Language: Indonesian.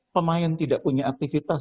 pemain tidak punya aktivitas